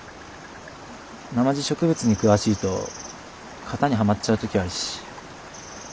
なまじ植物に詳しいと型にはまっちゃう時あるし。